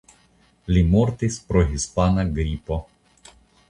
Li mortis pro Hispana gripo.